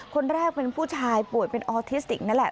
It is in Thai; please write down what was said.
คนแรกเป็นผู้ชายป่วยเป็นออทิสติกนั่นแหละ